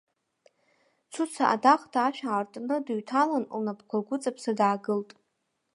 Цуца адахҭа ашә аартны дыҩҭалан, лнапқәа лгәыҵаԥса даагылт.